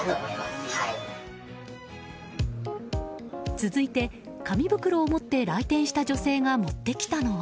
続いて、紙袋を持って来店した女性が持ってきたのは。